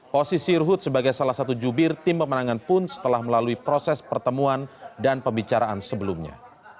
posisi ruhut sebagai salah satu jubir tim pemenangan pun setelah melalui proses pertemuan dan pembicaraan sebelumnya